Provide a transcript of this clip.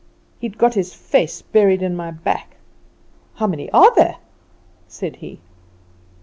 He'd got his face buried in my back. "'How many are there?' said he.